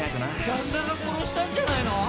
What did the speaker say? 旦那が殺したんじゃないの？